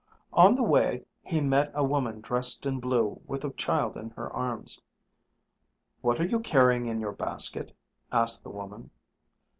On the way he met a woman dressed in blue with a child in her arms. "What are you carrying in your basket?" asked the woman.